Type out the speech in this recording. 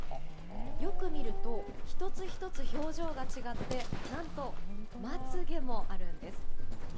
よく見ると１つ１つ表情が違って何と、まつげもあるんです。